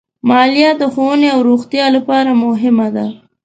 مالیه د ښوونې او روغتیا لپاره مهمه ده.